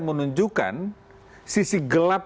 menunjukkan sisi gelap